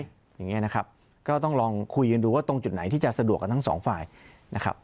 อย่างนี้นะครับก็ต้องลองคุยกันดูว่าตรงจุดไหนที่จะสะดวกกับทั้งสองฝ่ายนะครับ